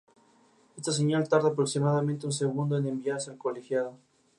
Sigue la parte central de la nave, marcada por enormes columnas.